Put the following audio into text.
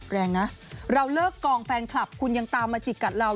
แรงนะเราเลิกกองแฟนคลับคุณยังตามมาจิกกัดเรา